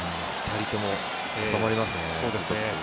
２人とも収まりますね。